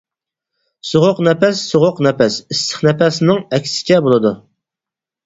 سوغۇق نەپەس سوغۇق نەپەس ئىسسىق نەپەسنىڭ ئەكسىچە بولىدۇ.